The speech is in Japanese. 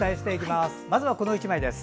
まずは、この１枚です。